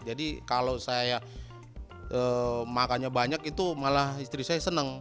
jadi kalau saya makannya banyak itu malah istri saya senang